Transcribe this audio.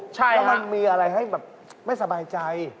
ใช่ครับแล้วมันมีอะไรให้แบบไม่สบายใจ